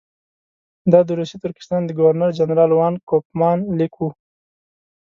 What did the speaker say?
دا د روسي ترکستان د ګورنر جنرال وان کوفمان لیک وو.